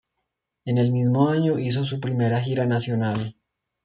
En el mismo año hizo su primera gira nacional.